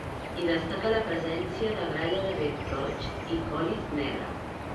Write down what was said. Hi destaca la presència de gralla de bec roig i còlit negre.